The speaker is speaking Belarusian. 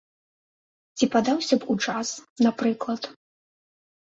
Ці падаўся б у джаз, напрыклад?